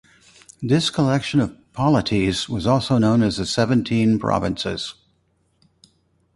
This collection of polities was also known as the Seventeen Provinces.